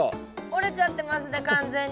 折れちゃってますね